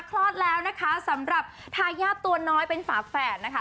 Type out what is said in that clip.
คลอดแล้วนะคะสำหรับทายาทตัวน้อยเป็นฝาแฝดนะคะ